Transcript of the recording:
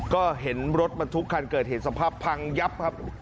ก็เห็นรถบรรทุกคันเกิดเหตุสภาพพังยับครับ